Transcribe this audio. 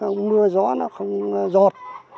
nó không mưa gió nó không giọt